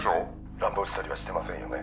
「乱暴したりはしてませんよね」